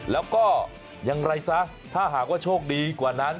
แล้วก็อย่างไรซะถ้าหากว่าโชคดีกว่านั้น